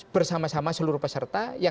bersama sama seluruh peserta